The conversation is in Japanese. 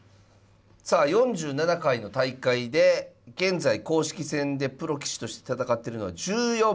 さあ４７回の大会で現在公式戦でプロ棋士として戦ってるのは１４名。